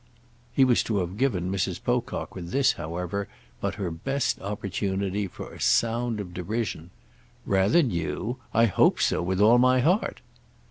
He was to have given Mrs. Pocock with this, however, but her best opportunity for a sound of derision. "Rather new? I hope so with all my heart!"